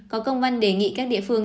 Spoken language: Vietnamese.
có công văn đề nghị các địa phương